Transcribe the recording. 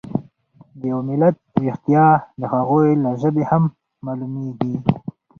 د یو ملت ويښتیا د هغوی له ژبې هم مالومیږي.